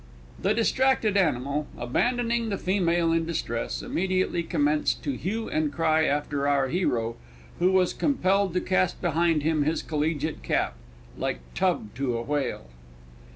The distracted animal, abandoning the female in distress, immediately commenced to hue and cry after our hero, who was compelled to cast behind him his collegiate cap, like tub to a whale.